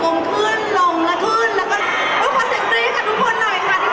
กรอบเพลงแพร้อมไหมคะ